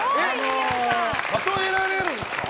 例えられるんですか。